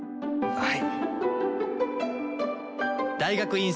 はい！